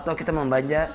atau kita membaca